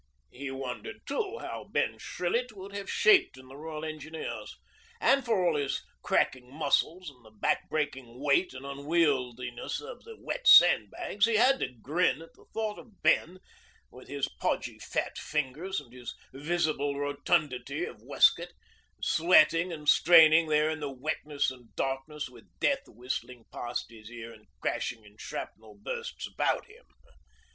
He wondered, too, how Ben Shrillett would have shaped in the Royal Engineers, and, for all his cracking muscles and the back breaking weight and unwieldiness of the wet sandbags, he had to grin at the thought of Ben, with his podgy fat fingers and his visible rotundity of waistcoat, sweating and straining there in the wetness and darkness with Death whistling past his ear and crashing in shrapnel bursts about him.